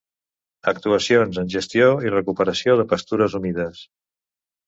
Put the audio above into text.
Actuacions en gestió i recuperació de pastures humides.